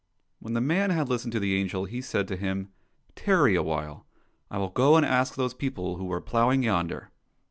When the man had listened to the angel, he said to him, " Tarry a while ! I will go and ask those people who are ploughing yonder."